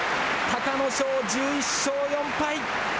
隆の勝、１１勝４敗。